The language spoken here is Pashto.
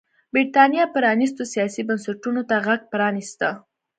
برېټانیا پرانيستو سیاسي بنسټونو ته غېږ پرانېسته.